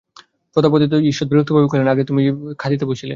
প্রতাপাদিত্য ঈষৎ বিরক্তিভাবে কহিলেন, আগে হইতে যে তুমি কাঁদিতে বসিলে!